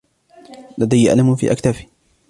لدي ألم في أكتافي.